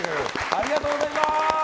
ありがとうございます。